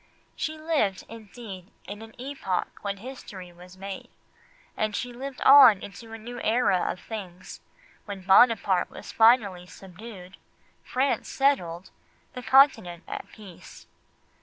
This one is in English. She lived, indeed, in an epoch when history was made, and she lived on into a new era of things, when Buonaparte was finally subdued, France settled, the Continent at peace.